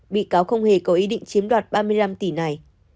bị cáo không hề có ý định chiếm đoạt ba mươi năm tỷ này